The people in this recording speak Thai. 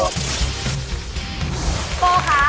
พี่โป้ค่ะ